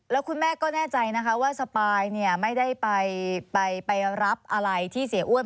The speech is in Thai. แล้วคุณแม่ก็แน่ใจนะคะว่าสปายไม่ได้ไปรับอะไรที่เสียอ้วน